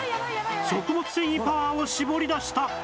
食物繊維パワーを絞り出した！